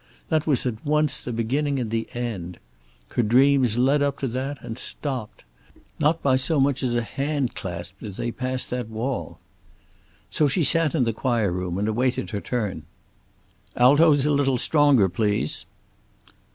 That was at once the beginning and the end. Her dreams led up to that and stopped. Not by so much as a hand clasp did they pass that wall. So she sat in the choir room and awaited her turn. "Altos a little stronger, please."